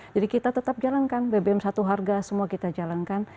kita tetap jalankan bbm satu harga semua kita jalankan